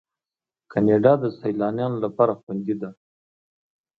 کاناډا د سیلانیانو لپاره خوندي ده.